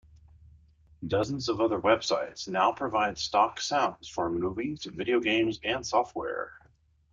Dozens of other websites now provide stock sounds for movies, video games, and software.